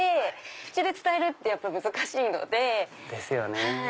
口で伝えるって難しいので。ですよね。